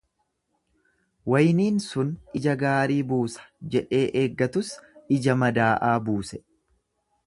Wayniin sun ija gaarii buusa jedhee eeggatus ija madaa'aa buuse.